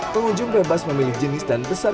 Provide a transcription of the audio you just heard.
pengunjung bebas memilih jenis dan besar